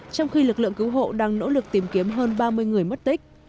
trong khi lực lượng cứu hộ đang nỗ lực tìm kiếm hơn ba mươi người mất tích